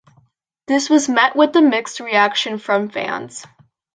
This was met with mixed reaction from fans.